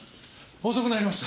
遅くなりました。